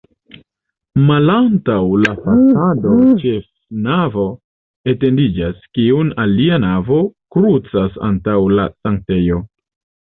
Malantaŭ la fasado ĉefnavo etendiĝas, kiun alia navo krucas antaŭ la sanktejo.